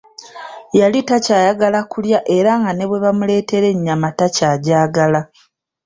Yali takyayagala kulya era nga ne bwe bamuleetera ennyama takyajagala.